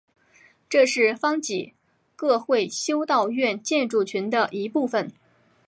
这是方济各会修道院建筑群的一部分。